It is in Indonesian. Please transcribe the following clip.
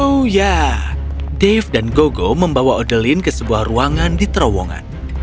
oh ya dave dan gogo membawa odelin ke sebuah ruangan di terowongan